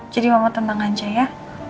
jadi mama tenang aja ya